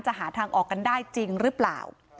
หาทางออกกันได้จริงหรือเปล่า